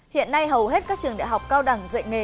hiện nay hầu hết các trường đại học cao đẳng dạy nghề